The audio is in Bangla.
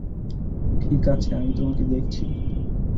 ঠিক আছে, আমি তোমাকে দেখছি।